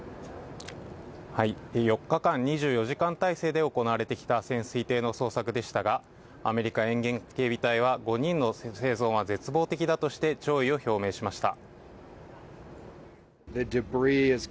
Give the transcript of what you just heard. ４日間２４時間態勢で行われてきた潜水艇の捜索でしたが、アメリカ沿岸警備隊は５人の生存は絶望的だとして弔意を表明しました。